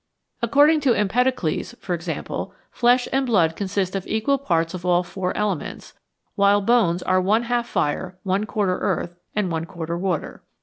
According to Empedocles, for example, flesh and blood consist of equal parts of all four elements, while bones are one half fire, one quarter earth, and one quarter water.